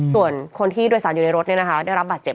ส่วนคนที่โดยสารอยู่ในรถได้รับบาดเจ็บ